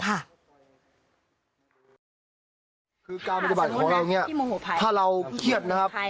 คือการปฏิบัติของเราเนี่ยถ้าเราเครียดนะครับ